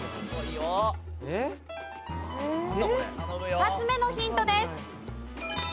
２つ目のヒントです。